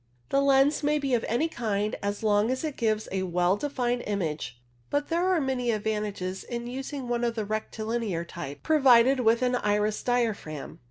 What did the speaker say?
The lens may be of any kind, as long as it gives a well defined image, but there are many advantages z lyo CLOUD PHOTOGRAPHY in using one of the rectilinear type provided with an iris diaphragm.